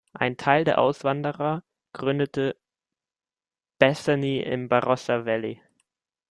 Ein Teil der Auswanderer gründete Bethany im Barossa Valley.